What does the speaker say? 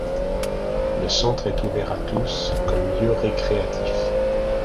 Le centre est ouvert à tous comme lieu récréatif.